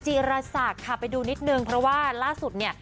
จีรศักดิ์ค่ะไปดูนิดนึงเพราะว่าล่าสุดเนี่ย